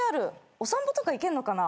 お散歩とか行けんのかな。